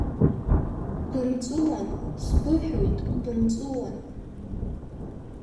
Бымҵәуан, сбыҳәоит, бымҵәуан!